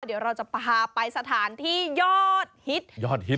เดี๋ยวเราจะพาไปสถานที่ยอดฮิตยอดฮิต